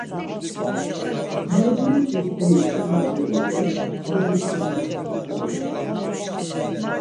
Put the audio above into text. Jurneçi seri ç̌anda miğut̆es ama miti var moxtu ç̌andaşa.